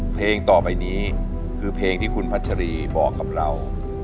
เพลงต่อไปนี้คือเพลงที่คุณพัชรีบอกกับเรา